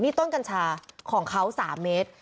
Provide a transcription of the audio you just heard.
นี่ต้นกัญชาของเขา๓เมตร